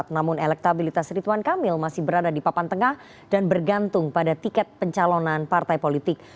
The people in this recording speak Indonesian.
namun elektabilitas rituan kamil masih berada di papan tengah dan bergantung pada tiket pencalonan partai politik